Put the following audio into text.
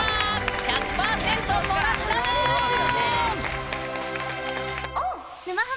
１００％もらったぬん。